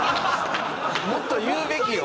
もっと言うべきよ。